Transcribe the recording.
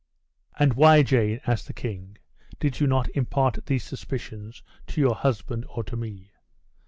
"And why, Jane," asked the king, "did you not impart these suspicions to your husband or to me?"